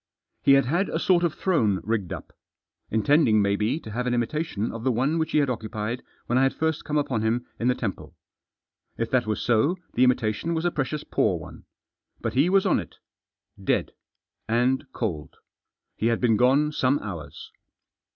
He had had a sort of throne rigged up. Intending, maybe, to have an imitation of the one which he had occupied when I had first come upon him in the temple. If that was so the imitation was a precious poor one. But he was on it. Dead. And cold. He had been gone some hours.